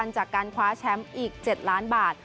จากการคว้าแชมป์อีก๗ล้านบาท